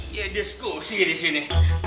iya diskusi di sini